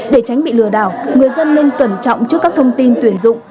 để tránh bị lừa đảo người dân nên cẩn trọng trước các thông tin tuyển dụng